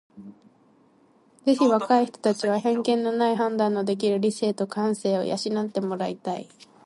ぜひ若い人たちには偏見のない判断のできる理性と感性を養って貰いたい。